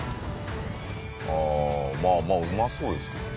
ああまあまあうまそうですけどね。